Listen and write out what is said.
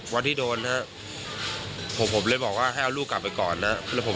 วันที่โดนนะครับผมเลยบอกว่าให้เอาลูกกลับไปก่อนนะครับ